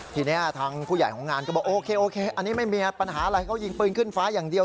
ทีนี้ทางผู้ใหญ่ของงานก็บอกโอเคโอเคอันนี้ไม่มีปัญหาอะไรเขายิงปืนขึ้นฟ้าอย่างเดียว